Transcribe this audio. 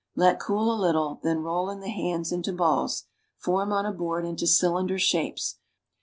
I/ct cool a little, then roll in the hands into balls; form on a board into cylinder shapes.